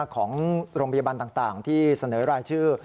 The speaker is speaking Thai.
ของโรงพยาบาลต่างที่เสนอรายชื่อ